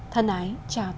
thân ái chào tạm biệt